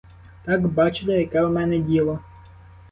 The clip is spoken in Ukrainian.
Так, бачите, яке у мене діло.